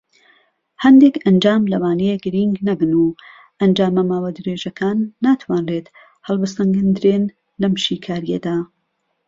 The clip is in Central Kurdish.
هەندێک ئەنجام لەوانەیە گرینگ نەبن، و ئەنجامە ماوە درێژەکان ناتوانرێت هەڵبسەنگێندرێن لەم شیکاریەدا.